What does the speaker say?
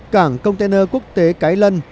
cảng container quốc tế cái lân